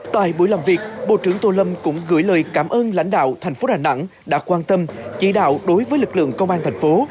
tại buổi làm việc bộ trưởng tô lâm cũng gửi lời cảm ơn lãnh đạo thành phố đà nẵng đã quan tâm chỉ đạo đối với lực lượng công an thành phố